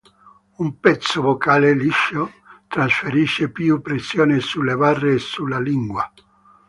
Un pezzo boccale liscio trasferisce più pressione sulle barre e sulla lingua.